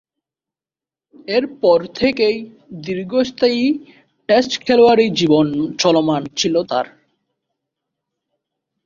এরপর থেকেই দীর্ঘস্থায়ী টেস্ট খেলোয়াড়ী জীবন চলমান ছিল তার।